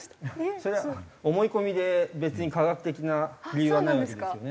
それは思い込みで別に科学的な理由はないわけですよね。